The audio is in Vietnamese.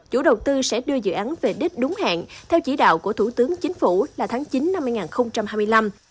chủ đầu tư sẽ đưa dự án về đích đúng hẹn theo chỉ đạo của thủ tướng chính phủ là tháng chín năm hai nghìn hai mươi năm